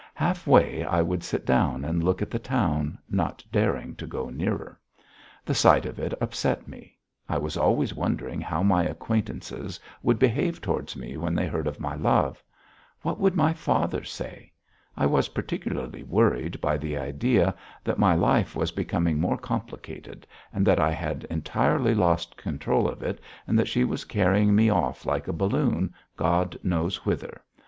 Half way I would sit down and look at the town, not daring to go nearer. The sight of it upset me, I was always wondering how my acquaintances would behave toward me when they heard of my love. What would my father say? I was particularly worried by the idea that my life was becoming more complicated, and that I had entirely lost control of it, and that she was carrying me off like a balloon, God knows whither.